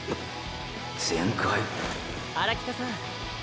荒北さん。